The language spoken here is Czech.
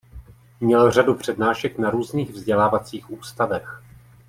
Měl řadu přednášek na různých vzdělávacích ústavech.